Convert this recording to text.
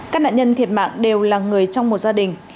các nạn nhân thiệt mạng đều là người trong một gia đình